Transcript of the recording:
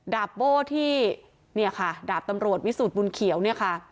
ดาบโบ้ที่เนี่ยค่ะดาบตำรวจวิสุทธิ์บุญเขียวเนี่ยค่ะ